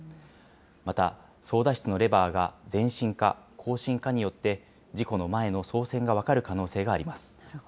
また、操だ室のレバーが前進か、後進かによって、事故の前の操船が分かる可能性があります。